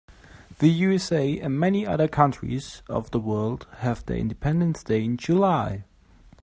The USA and many other countries of the world have their independence day in July.